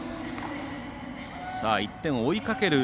１点を追いかける